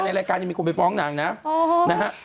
ในรายการยังมีคนไปฟ้องนางนะ